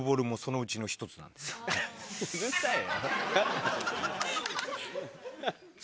うるさいよ。